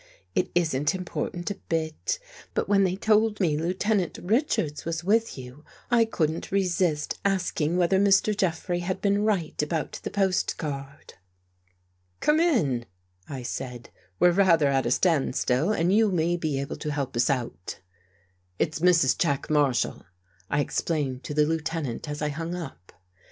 It isn't im portant a bit. But when they told me Lieutenant Richards was with you, I couldn't resist asking whether Mr. Jeffrey had been right about the post card." 107 THE GHOST GIRL " Come in," I said. " We're rather at a stands still and you may be able to help us out." " It's Mrs. Jack Marshall," I explained to the Lieutenant as I hung up.